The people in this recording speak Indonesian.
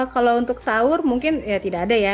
kalau untuk sahur mungkin ya tidak ada ya